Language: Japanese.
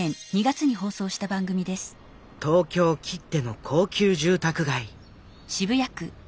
東京きっての高級住宅街。